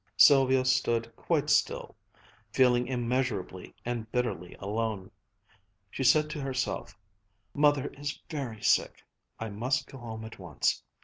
Sylvia stood quite still, feeling immeasurably and bitterly alone. She said to herself: "Mother is very sick. I must go home at once.